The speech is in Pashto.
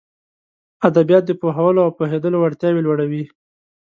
ادبيات د پوهولو او پوهېدلو وړتياوې لوړوي.